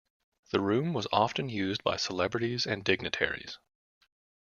The room was often used by celebrities and dignitaries.